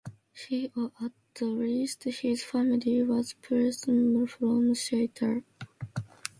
He or at least his family was presumably from Chartres.